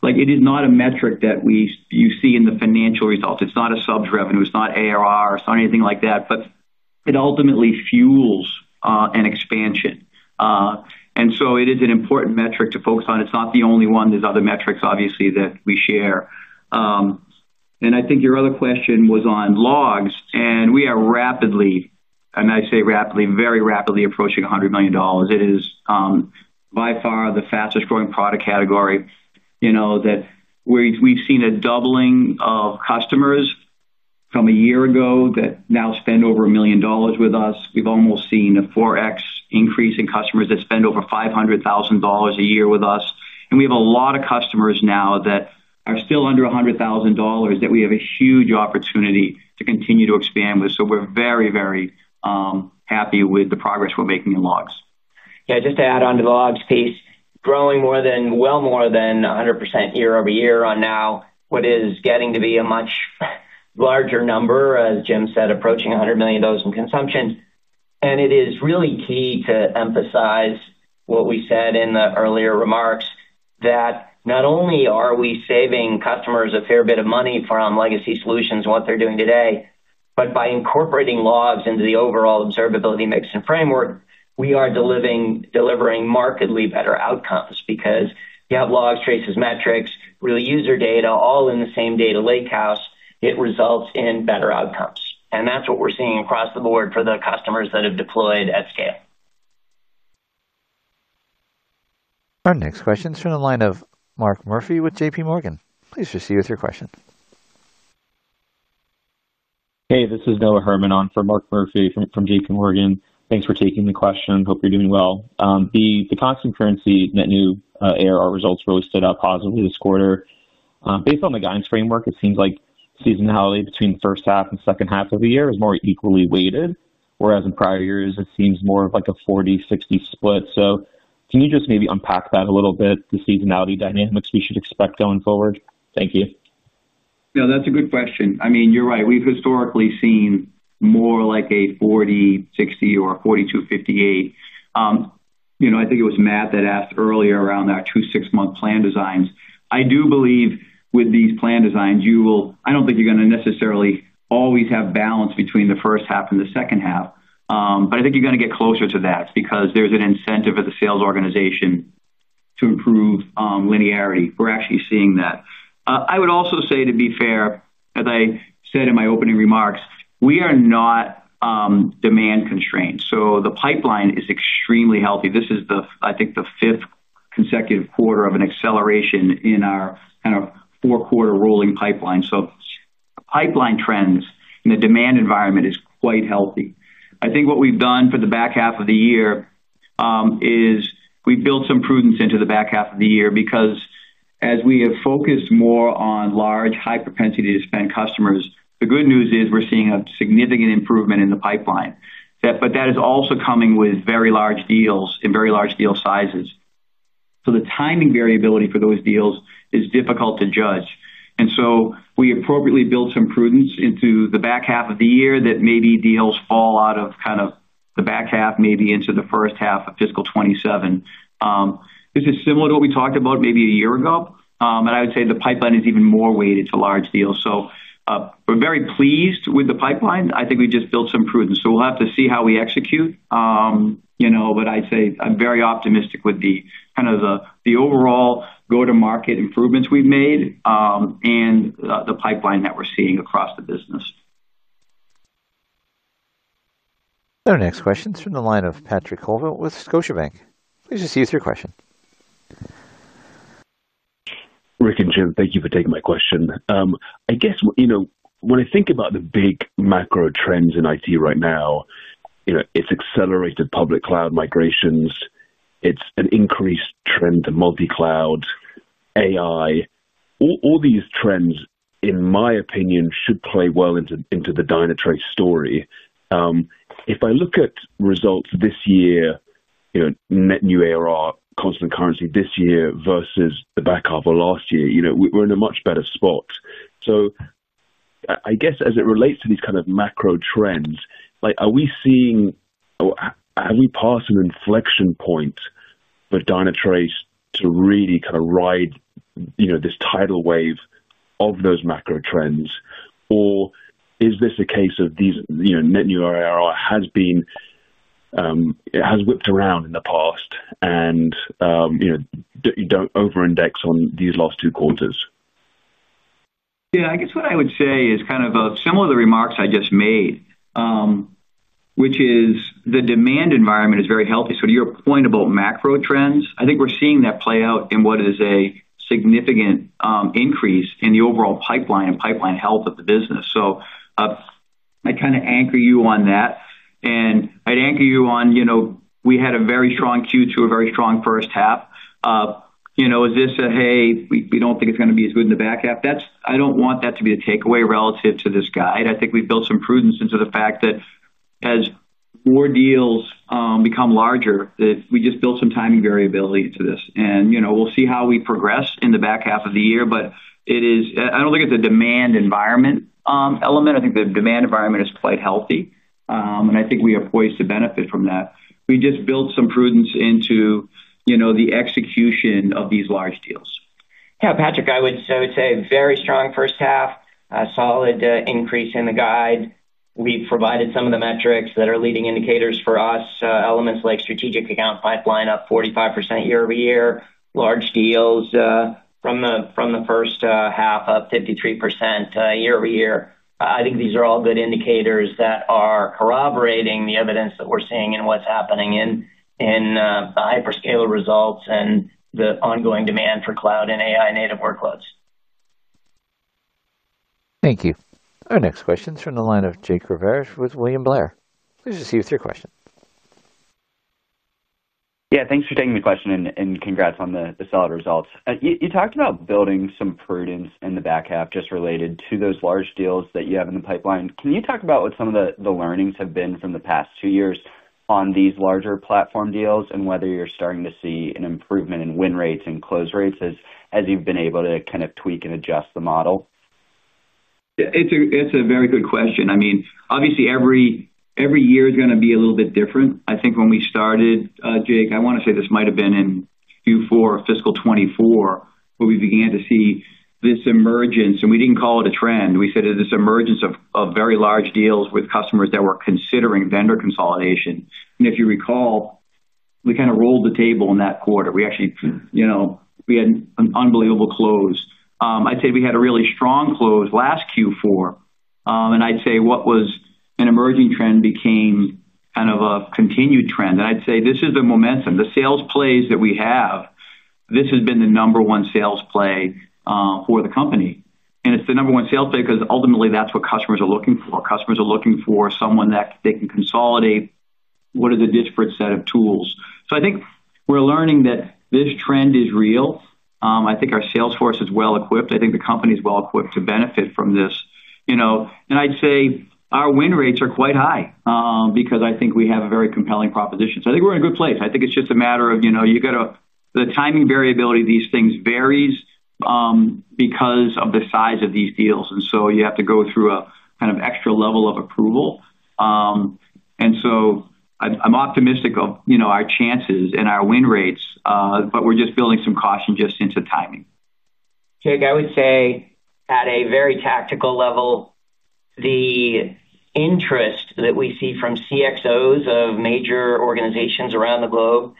S3: It is not a metric that you see in the financial results. It's not a subs revenue. It's not ARR or anything like that. It ultimately fuels an expansion, and it is an important metric to focus on. It's not the only one. There are other metrics, obviously, that we share. I think your other question was on logs. We are rapidly, and I say rapidly, very rapidly approaching $100 million. It is by far the fastest-growing product category. We have seen a doubling of customers from a year ago that now spend over $1 million with us. We have almost seen a 4x increase in customers that spend over $500,000 a year with us. We have a lot of customers now that are still under $100,000 that we have a huge opportunity to continue to expand with. We are very, very happy with the progress we are making in logs.
S2: Yeah, just to add on to the logs piece, growing well more than 100% year-over-year on now, what is getting to be a much larger number, as Jim said, approaching $100 million in consumption. It is really key to emphasize what we said in the earlier remarks that not only are we saving customers a fair bit of money from legacy solutions and what they're doing today, but by incorporating logs into the overall observability mix and framework, we are delivering markedly better outcomes because you have logs, traces, metrics, really user data, all in the same data lakehouse. It results in better outcomes. That is what we're seeing across the board for the customers that have deployed at scale.
S4: Our next question is from the line of Mark Murphy with J.P. Morgan. Please proceed with your question.
S9: Hey, this is Noah Hermanon from Mark Murphy from J.P. Morgan. Thanks for taking the question. Hope you're doing well. The constant currency net new ARR results really stood out positively this quarter. Based on the guidance framework, it seems like seasonality between the first half and second half of the year is more equally weighted, whereas in prior years, it seems more of like a 40-60 split. Can you just maybe unpack that a little bit, the seasonality dynamics we should expect going forward? Thank you.
S3: Yeah, that's a good question. I mean, you're right. We've historically seen more like a 40-60 or 42-58. I think it was Matt that asked earlier around our two six-month plan designs. I do believe with these plan designs, you will, I don't think you're going to necessarily always have balance between the first half and the second half. I think you're going to get closer to that because there's an incentive at the sales organization to improve linearity. We're actually seeing that. I would also say, to be fair, as I said in my opening remarks, we are not demand constrained. The pipeline is extremely healthy. This is, I think, the fifth consecutive quarter of an acceleration in our kind of four-quarter rolling pipeline. Pipeline trends in the demand environment are quite healthy. I think what we've done for the back half of the year is we've built some prudence into the back half of the year because as we have focused more on large high-propensity-to-spend customers, the good news is we're seeing a significant improvement in the pipeline. That is also coming with very large deals and very large deal sizes. The timing variability for those deals is difficult to judge. We appropriately built some prudence into the back half of the year that maybe deals fall out of kind of the back half, maybe into the first half of fiscal 2027. This is similar to what we talked about maybe a year ago. I would say the pipeline is even more weighted to large deals. We are very pleased with the pipeline. I think we just built some prudence. We will have to see how we execute. I am very optimistic with kind of the overall go-to-market improvements we have made and the pipeline that we are seeing across the business.
S4: Our next question is from the line of Patrick Colville with Scotiabank. Please proceed with your question.
S10: Rick and Jim, thank you for taking my question. I guess when I think about the big macro trends in IT right now, it is accelerated public cloud migrations. It's an increased trend to multi-cloud. AI. All these trends, in my opinion, should play well into the Dynatrace story. If I look at results this year, net new ARR, constant currency this year versus the back half of last year, we're in a much better spot. I guess as it relates to these kind of macro trends, are we seeing, have we passed an inflection point for Dynatrace to really kind of ride this tidal wave of those macro trends? Or is this a case of net new ARR has been whipped around in the past and don't over-index on these last two quarters?
S3: Yeah, I guess what I would say is kind of similar to the remarks I just made, which is the demand environment is very healthy. To your point about macro trends, I think we're seeing that play out in what is a significant increase in the overall pipeline and pipeline health of the business. I kind of anchor you on that. I'd anchor you on we had a very strong Q2, a very strong first half. Is this a, "Hey, we don't think it's going to be as good in the back half"? I don't want that to be the takeaway relative to this guide. I think we've built some prudence into the fact that as more deals become larger, we just built some timing variability into this. We'll see how we progress in the back half of the year. I don't think it's a demand environment element. I think the demand environment is quite healthy. I think we are poised to benefit from that. We just built some prudence into the execution of these large deals.
S2: Yeah, Patrick, I would say very strong first half, solid increase in the guide. We've provided some of the metrics that are leading indicators for us, elements like strategic account pipeline up 45% year-over-year, large deals from the first half up 53% year-over-year. I think these are all good indicators that are corroborating the evidence that we're seeing and what's happening in the hyperscaler results and the ongoing demand for cloud and AI-native workloads.
S4: Thank you. Our next question is from the line of Jake Rivera with William Blair. Please proceed with your question.
S11: Yeah, thanks for taking the question and congrats on the solid results. You talked about building some prudence in the back half just related to those large deals that you have in the pipeline. Can you talk about what some of the learnings have been from the past two years on these larger platform deals and whether you're starting to see an improvement in win rates and close rates as you've been able to kind of tweak and adjust the model?
S3: It's a very good question. I mean, obviously, every year is going to be a little bit different. I think when we started, Jake, I want to say this might have been in Q4 of fiscal 2024, where we began to see this emergence. And we didn't call it a trend. We said it was an emergence of very large deals with customers that were considering vendor consolidation. If you recall, we kind of rolled the table in that quarter. We actually had an unbelievable close. I'd say we had a really strong close last Q4. I'd say what was an emerging trend became kind of a continued trend. I'd say this is the momentum, the sales plays that we have. This has been the number one sales play for the company. It's the number one sales play because ultimately, that's what customers are looking for. Customers are looking for someone that they can consolidate what is a disparate set of tools. I think we're learning that this trend is real. I think our sales force is well equipped. I think the company is well equipped to benefit from this. I'd say our win rates are quite high because I think we have a very compelling proposition. I think we're in a good place. I think it's just a matter of you got to the timing variability of these things varies because of the size of these deals. You have to go through a kind of extra level of approval. I'm optimistic of our chances and our win rates, but we're just building some caution just into timing.
S2: Jake, I would say at a very tactical level, the interest that we see from CXOs of major organizations around the globe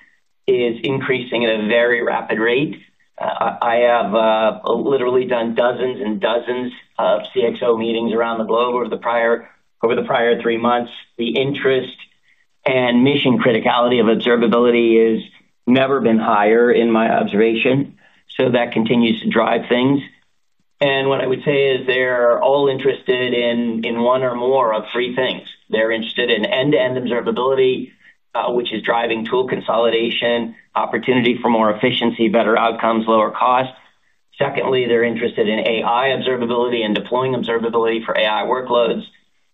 S2: is increasing at a very rapid rate. I have literally done dozens and dozens of CXO meetings around the globe over the prior three months. The interest and mission criticality of observability has never been higher in my observation. That continues to drive things. What I would say is they're all interested in one or more of three things. They're interested in end-to-end observability, which is driving tool consolidation, opportunity for more efficiency, better outcomes, lower cost. Secondly, they're interested in AI observability and deploying observability for AI workloads.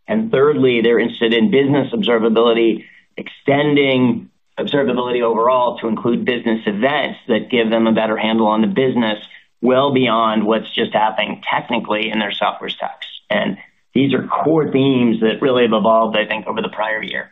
S2: Thirdly, they're interested in business observability, extending observability overall to include business events that give them a better handle on the business well beyond what's just happening technically in their software stacks. These are core themes that really have evolved, I think, over the prior year.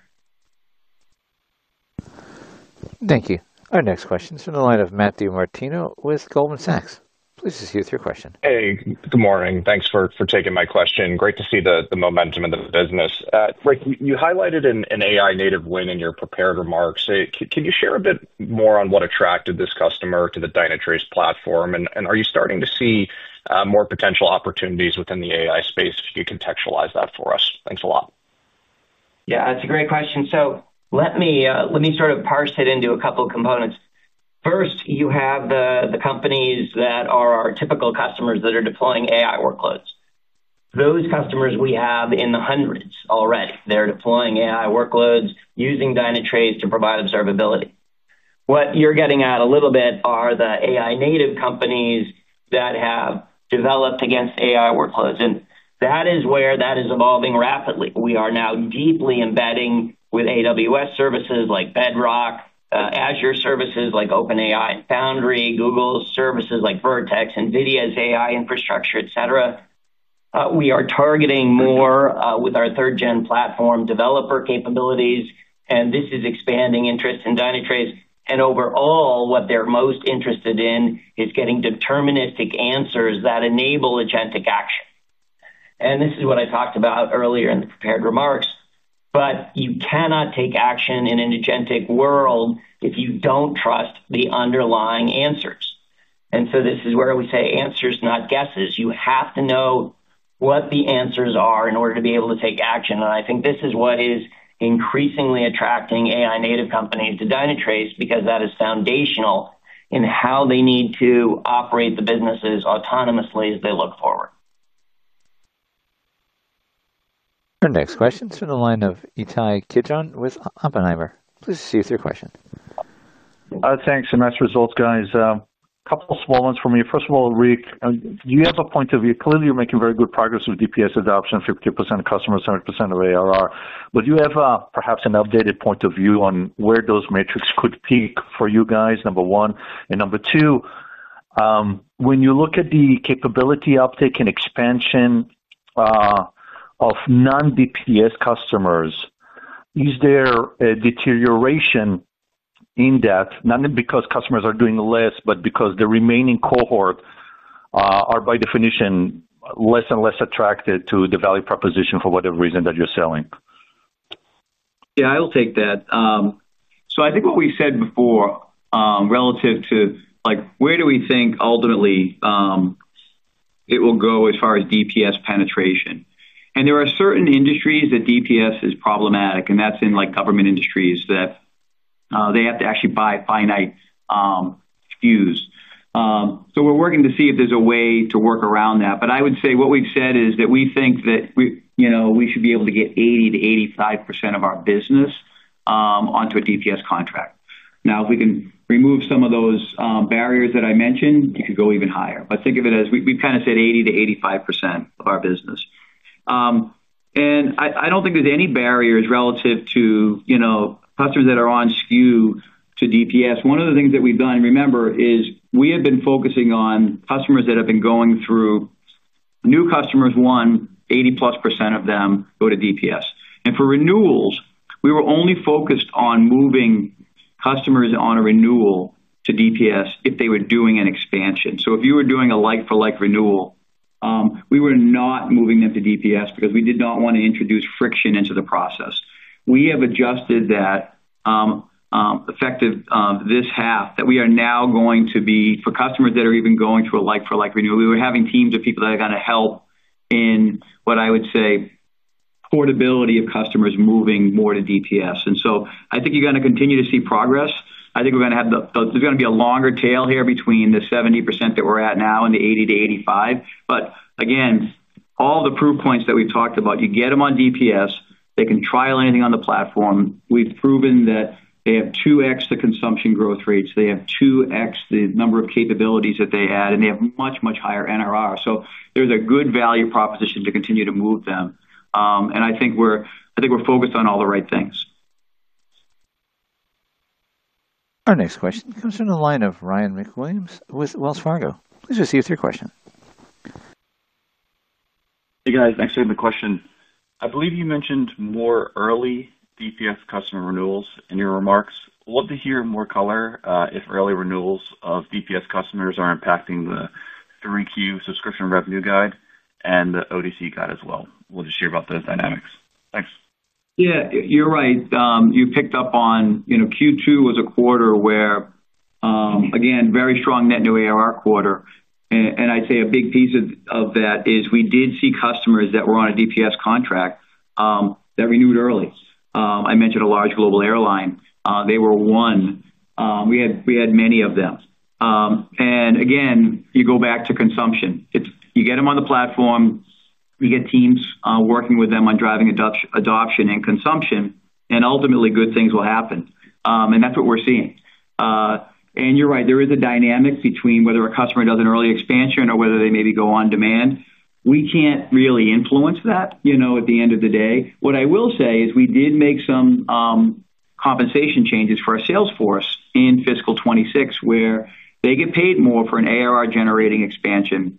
S4: Thank you. Our next question is from the line of Matthew Martino with Goldman Sachs. Please proceed with your question.
S12: Hey, good morning. Thanks for taking my question. Great to see the momentum in the business. Rick, you highlighted an AI-native win in your prepared remarks. Can you share a bit more on what attracted this customer to the Dynatrace platform? Are you starting to see more potential opportunities within the AI space? If you could contextualize that for us. Thanks a lot.
S2: Yeah, that's a great question. Let me sort of parse it into a couple of components. First, you have the companies that are our typical customers that are deploying AI workloads. Those customers, we have in the hundreds already. They're deploying AI workloads using Dynatrace to provide observability. What you're getting at a little bit are the AI-native companies that have developed against AI workloads. That is where that is evolving rapidly. We are now deeply embedding with AWS services like Bedrock, Azure services like OpenAI and Foundry, Google services like Vertex, NVIDIA's AI infrastructure, etc. We are targeting more with our third-gen platform developer capabilities. This is expanding interest in Dynatrace. Overall, what they're most interested in is getting deterministic answers that enable agentic action. This is what I talked about earlier in the prepared remarks. You cannot take action in an agentic world if you don't trust the underlying answers. This is where we say answers, not guesses. You have to know what the answers are in order to be able to take action. I think this is what is increasingly attracting AI-native companies to Dynatrace because that is foundational in how they need to operate the businesses autonomously as they look forward.
S4: Our next question is from the line of Itay Kidjon with Oppenheimer. Please proceed with your question.
S13: Thanks, and best results, guys. A couple of small ones for me. First of all, Rick, do you have a point of view? Clearly, you're making very good progress with DPS adoption, 50% customers, 100% of ARR. Do you have perhaps an updated point of view on where those metrics could peak for you guys, number one? And number two, when you look at the capability uptake and expansion of non-DPS customers, is there a deterioration? In that, not because customers are doing less, but because the remaining cohort are by definition less and less attracted to the value proposition for whatever reason that you're selling.
S3: Yeah, I'll take that. So I think what we said before, relative to where do we think ultimately it will go as far as DPS penetration? There are certain industries that DPS is problematic, and that's in government industries that they have to actually buy finite fuels. We are working to see if there's a way to work around that. I would say what we've said is that we think that we should be able to get 80%-85% of our business onto a DPS contract. If we can remove some of those barriers that I mentioned, you could go even higher. Think of it as we've kind of said 80%-85% of our business. I don't think there's any barriers relative to customers that are on SKU to DPS. One of the things that we've done, remember, is we have been focusing on customers that have been going through new customers. One, 80+ % of them go to DPS. For renewals, we were only focused on moving customers on a renewal to DPS if they were doing an expansion. If you were doing a like-for-like renewal, we were not moving them to DPS because we did not want to introduce friction into the process. We have adjusted that. Effective this half, we are now going to be, for customers that are even going through a like-for-like renewal, we were having teams of people that are going to help in what I would say. Portability of customers moving more to DPS. I think you're going to continue to see progress. I think we're going to have there's going to be a longer tail here between the 70% that we're at now and the 80%-85%. Again, all the proof points that we've talked about, you get them on DPS, they can trial anything on the platform. We've proven that they have 2x the consumption growth rates. They have 2x the number of capabilities that they add. They have much, much higher NRR. There's a good value proposition to continue to move them. I think we're focused on all the right things.
S4: Our next question comes from the line of Ryan MacWilliams with Wells Fargo. Please proceed with your question.
S14: Hey, guys. Thanks for the question. I believe you mentioned more early DPS customer renewals in your remarks. Love to hear more color if early renewals of DPS customers are impacting the Q3 subscription revenue guide and the ODC guide as well. Love to hear about those dynamics. Thanks.
S3: Yeah, you're right. You picked up on Q2 was a quarter where, again, very strong net new ARR quarter. I'd say a big piece of that is we did see customers that were on a DPS contract that renewed early. I mentioned a large global airline. They were one. We had many of them. You go back to consumption. You get them on the platform. You get teams working with them on driving adoption and consumption. Ultimately, good things will happen. That's what we're seeing. You're right. There is a dynamic between whether a customer does an early expansion or whether they maybe go on demand. We can't really influence that at the end of the day. What I will say is we did make some compensation changes for our sales force in fiscal 2026 where they get paid more for an ARR-generating expansion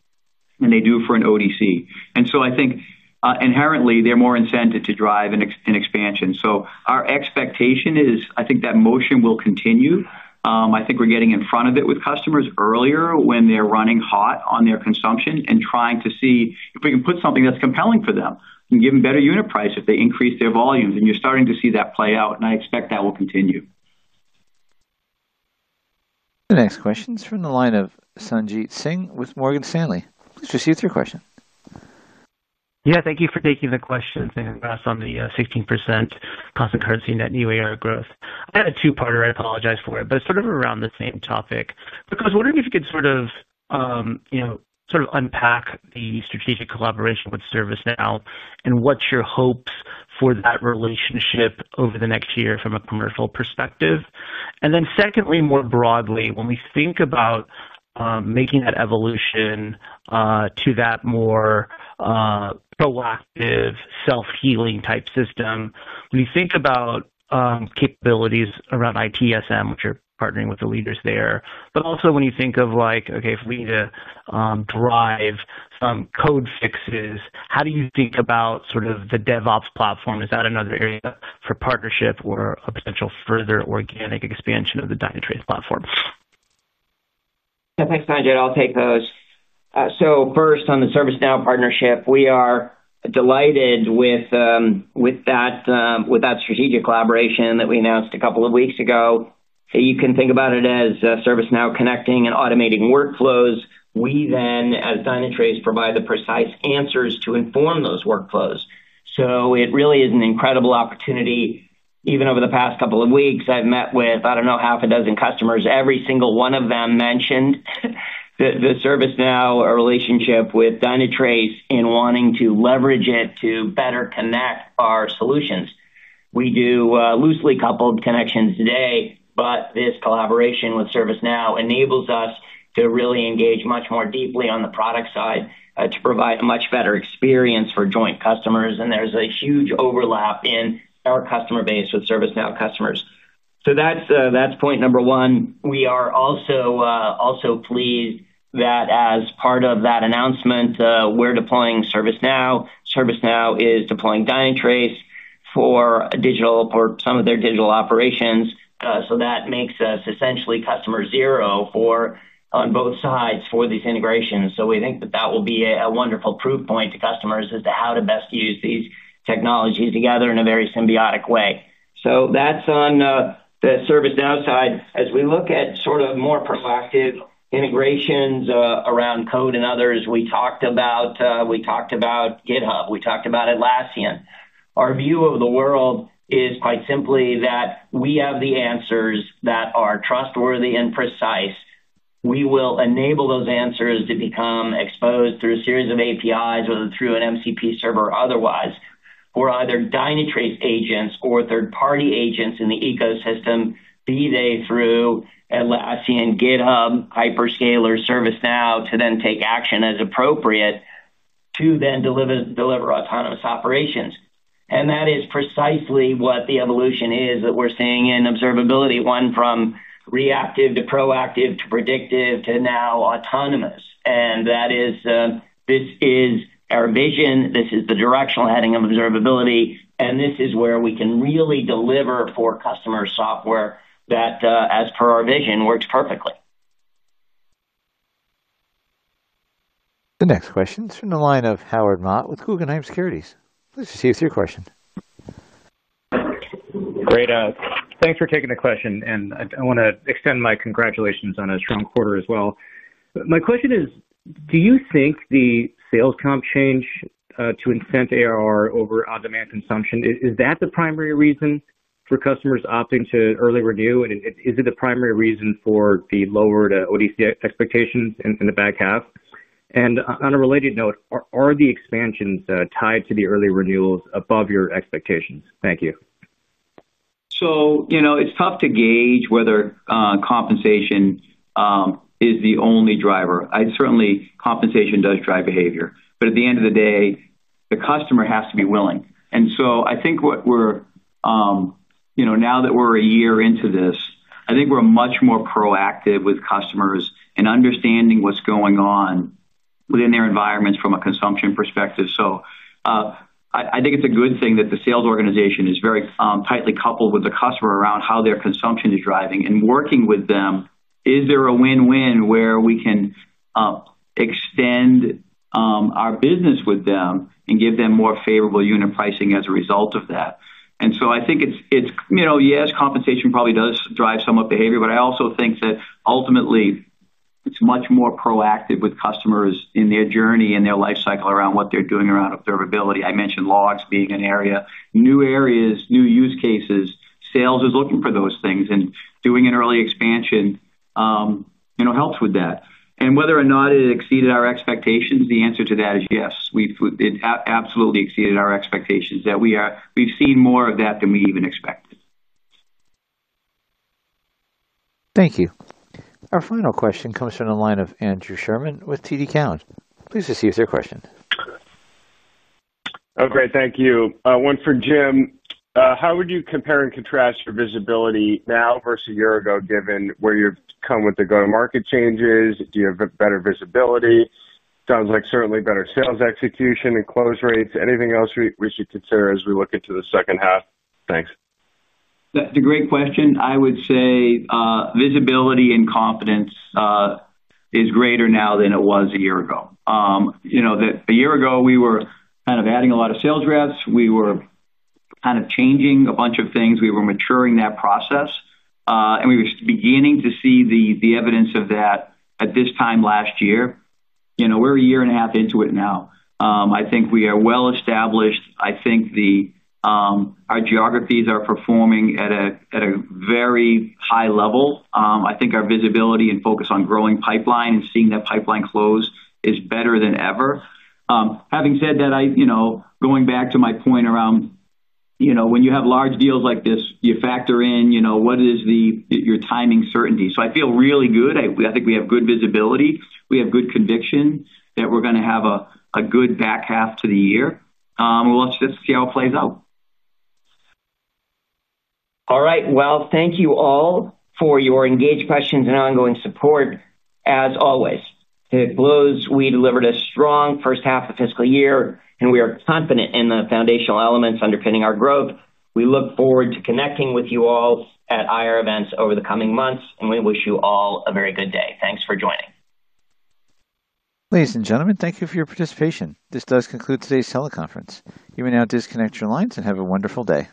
S3: than they do for an ODC. I think inherently, they're more incented to drive an expansion. Our expectation is I think that motion will continue. I think we're getting in front of it with customers earlier when they're running hot on their consumption and trying to see if we can put something that's compelling for them and give them better unit price if they increase their volumes. You're starting to see that play out. I expect that will continue.
S4: The next question is from the line of Sanjeet Singh with Morgan Stanley. Please proceed with your question.
S15: Yeah, thank you for taking the question. Thank you for asking on the 16% constant currency net new ARR growth. I had a two-parter. I apologize for it. It's sort of around the same topic. Rick, I was wondering if you could sort of unpack the strategic collaboration with ServiceNow and what your hopes are for that relationship over the next year from a commercial perspective. Secondly, more broadly, when we think about making that evolution to that more proactive, self-healing type system, when you think about capabilities around ITSM, which you're partnering with the leaders there, but also when you think of, okay, if we need to drive some code fixes, how do you think about sort of the DevOps platform? Is that another area for partnership or a potential further organic expansion of the Dynatrace platform?
S2: Yeah, thanks, Sanjeet. I'll take those. First, on the ServiceNow partnership, we are delighted with that strategic collaboration that we announced a couple of weeks ago. You can think about it as ServiceNow connecting and automating workflows. We then, as Dynatrace, provide the precise answers to inform those workflows. It really is an incredible opportunity. Even over the past couple of weeks, I have met with, I do not know, half a dozen customers. Every single one of them mentioned the ServiceNow relationship with Dynatrace and wanting to leverage it to better connect our solutions. We do loosely coupled connections today, but this collaboration with ServiceNow enables us to really engage much more deeply on the product side to provide a much better experience for joint customers. There is a huge overlap in our customer base with ServiceNow customers. That is point number one. We are also. Pleased that as part of that announcement, we're deploying ServiceNow. ServiceNow is deploying Dynatrace for digital or some of their digital operations. That makes us essentially customer zero on both sides for these integrations. We think that that will be a wonderful proof point to customers as to how to best use these technologies together in a very symbiotic way. That is on the ServiceNow side. As we look at sort of more proactive integrations around code and others, we talked about GitHub. We talked about Atlassian. Our view of the world is quite simply that we have the answers that are trustworthy and precise. We will enable those answers to become exposed through a series of APIs, whether through an MCP server or otherwise, for either Dynatrace agents or third-party agents in the ecosystem, be they through. Atlassian, GitHub, Hyperscaler, ServiceNow, to then take action as appropriate to then deliver autonomous operations. That is precisely what the evolution is that we're seeing in observability, one from reactive to proactive to predictive to now autonomous. That is our vision. This is the directional heading of observability. This is where we can really deliver for customer software that, as per our vision, works perfectly.
S4: The next question is from the line of Howard Ma with Guggenheim Securities. Please proceed with your question.
S16: Great. Thanks for taking the question. I want to extend my congratulations on a strong quarter as well. My question is, do you think the sales comp change to incent ARR over on-demand consumption, is that the primary reason for customers opting to early renew? Is it the primary reason for the lower to ODC expectations in the back half? On a related note, are the expansions tied to the early renewals above your expectations? Thank you.
S3: It is tough to gauge whether compensation is the only driver. Certainly, compensation does drive behavior. At the end of the day, the customer has to be willing. I think now that we are a year into this, we are much more proactive with customers and understanding what is going on within their environments from a consumption perspective. I think it is a good thing that the sales organization is very tightly coupled with the customer around how their consumption is driving. Working with them, is there a win-win where we can extend our business with them and give them more favorable unit pricing as a result of that? I think, yes, compensation probably does drive some of the behavior. I also think that ultimately, it's much more proactive with customers in their journey and their life cycle around what they're doing around observability. I mentioned logs being an area. New areas, new use cases, sales is looking for those things. Doing an early expansion helps with that. Whether or not it exceeded our expectations, the answer to that is yes. It absolutely exceeded our expectations that we've seen more of that than we even expected.
S4: Thank you. Our final question comes from the line of Andrew Sherman with TD Cowen. Please proceed with your question.
S17: Oh, great. Thank you. One for Jim. How would you compare and contrast your visibility now versus a year ago, given where you've come with the go-to-market changes? Do you have better visibility? Sounds like certainly better sales execution and close rates. Anything else we should consider as we look into the second half?
S3: Thanks. That's a great question. I would say visibility and confidence is greater now than it was a year ago. A year ago, we were kind of adding a lot of sales reps. We were kind of changing a bunch of things. We were maturing that process. And we were beginning to see the evidence of that at this time last year. We're a year and a half into it now. I think we are well established. I think our geographies are performing at a very high level. I think our visibility and focus on growing pipeline and seeing that pipeline close is better than ever. Having said that, going back to my point around when you have large deals like this, you factor in what is your timing certainty. So I feel really good. I think we have good visibility. We have good conviction that we're going to have a good back half to the year. We'll just see how it plays out.
S2: All right. Thank you all for your engaged questions and ongoing support, as always. To close, we delivered a strong first half of fiscal year, and we are confident in the foundational elements underpinning our growth. We look forward to connecting with you all at IR events over the coming months, and we wish you all a very good day. Thanks for joining.
S4: Ladies and gentlemen, thank you for your participation. This does conclude today's teleconference. You may now disconnect your lines and have a wonderful day.